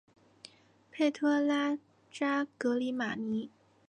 佩托拉扎格里马尼。